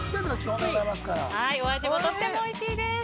味もとてもおいしいです。